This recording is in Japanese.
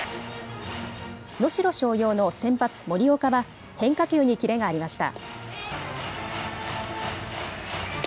能代松陽の先発、森岡は変化球に切れがありました。